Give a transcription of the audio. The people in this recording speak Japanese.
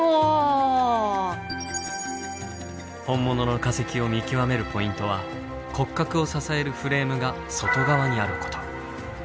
本物の化石を見極めるポイントは骨格を支えるフレームが外側にあること。